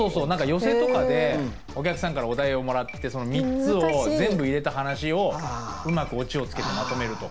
寄席とかでお客さんからお題をもらってその三つを全部入れた噺をうまくオチをつけてまとめるとか。